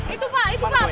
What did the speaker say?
itu pak itu pak